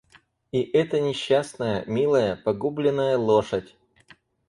И эта несчастная, милая, погубленная лошадь!